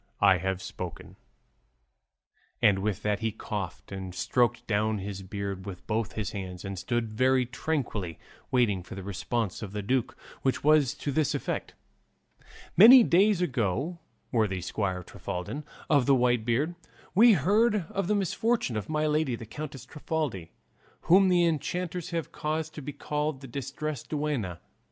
I have spoken." And with that he coughed, and stroked down his beard with both his hands, and stood very tranquilly waiting for the response of the duke, which was to this effect: "Many days ago, worthy squire Trifaldin of the White Beard, we heard of the misfortune of my lady the Countess Trifaldi, whom the enchanters have caused to be called the Distressed Duenna.